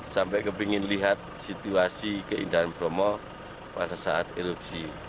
sampai kepingin lihat situasi keindahan bromo pada saat erupsi